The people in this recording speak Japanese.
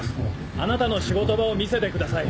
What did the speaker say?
あなたの仕事場を見せてください。